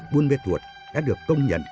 buôn bê thuộc đã được công nhận